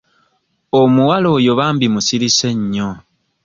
Omuwala oyo bambi musirise nnyo.